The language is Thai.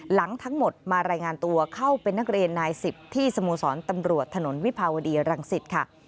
หลังทั้งหมดมารายงานตัวเข้าเป็นนักเรียนนาย๑๐ที่สโมสรตำรวจถนนวิภาวดีรังสิตค่ะ